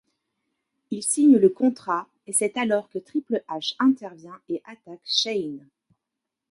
Il signe le contrat et c'est alors que Triple H intervient et attaque Shane.